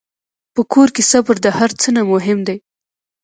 په کور کې صبر د هر څه نه مهم دی.